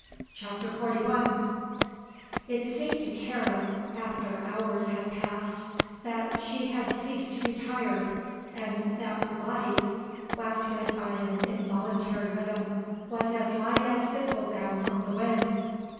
CHAPTER XLI It seemed to Karen, after hours had passed, that she had ceased to be tired and that her body, wafted by an involuntary rhythm, was as light as thistle down on the wind.